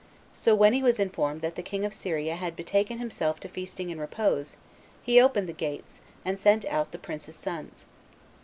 So when he was informed that the king of Syria had betaken himself to feasting and repose, he opened the gates, and sent out the princes' sons.